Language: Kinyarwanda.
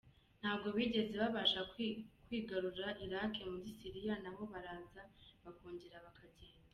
Ntabwo bigeze babasha kwigarura Iraq, muri Syria naho baraza bakongera bakagenda.